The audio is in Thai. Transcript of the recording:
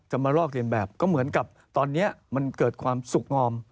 มาลอกเรียนแบบก็เหมือนกับตอนนี้มันเกิดความสุขงอม